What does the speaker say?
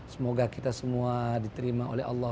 semoga kita semua diterima oleh allah